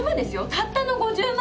たったの５０万。